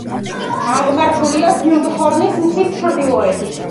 აღმართულია ვილდჰორნის მთის ჩრდილოეთით.